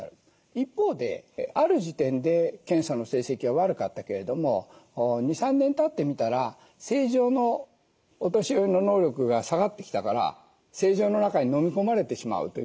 一方である時点で検査の成績は悪かったけれども２３年たってみたら正常のお年寄りの能力が下がってきたから正常の中に飲み込まれてしまうという方もいらっしゃる。